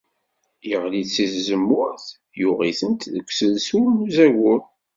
Yeɣli-d si tzemmurt, yuɣ-itent deg uselsul n uzagur.